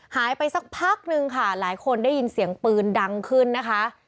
หายไปสักพักนึงค่ะหลายคนได้ยินเสียงปืนดังขึ้นนะคะ